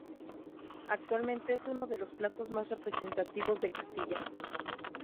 Actualmente es uno de los platos más representativos de Castilla.